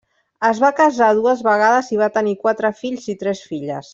Es va casar dues vegades i va tenir quatre fills i tres filles.